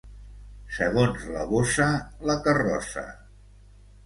Segons la bossa, la carrossa.